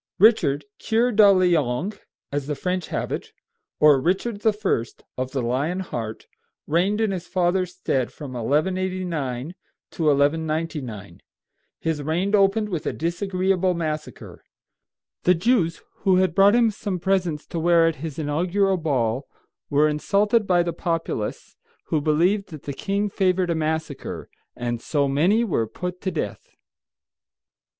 ] Richard Kyur duh le ong, as the French have it, or Richard I. of the lion heart, reigned in his father's stead from 1189 to 1199. His reign opened with a disagreeable massacre. The Jews, who had brought him some presents to wear at his inaugural ball, were insulted by the populace, who believed that the king favored a massacre, and so many were put to death.